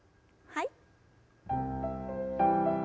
はい。